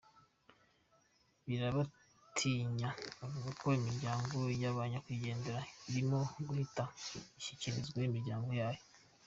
Ngirabatinya avuga ko imiryango ya ba nyakwigendera irimo guhita ishyikirizwa imiryango yayo.